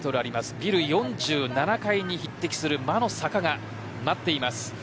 ビル４７階に匹敵する魔の坂が待っています。